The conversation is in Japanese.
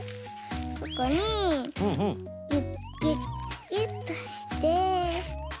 ここにギュッギュッギュッとして。